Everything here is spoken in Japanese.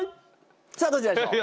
さあどちらでしょう。